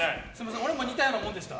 俺も似たようなもんでした。